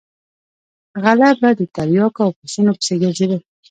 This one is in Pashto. غله به د تریاکو او پسونو پسې ګرځېدل.